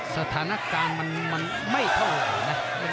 สถานการณ์มันไม่เท่าไหร่นะ